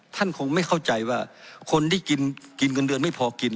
ท่านคงไม่เข้าใจว่าคนที่กินเงินเดือนไม่พอกิน